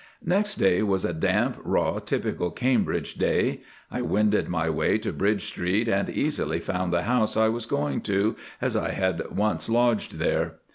Next day was a damp, raw, typical Cambridge day. I wended my way to Bridge Street, and easily found the house I was going to, as I had once lodged there.